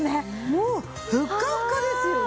もうふっかふかですよね。